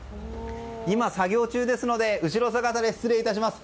今、作業中ですので後ろ姿で失礼いたします。